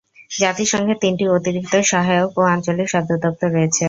জাতিসংঘের তিনটি অতিরিক্ত, সহায়ক ও আঞ্চলিক সদর দপ্তর রয়েছে।